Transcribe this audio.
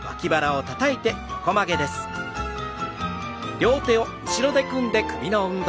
両手を後ろに組んで首の運動。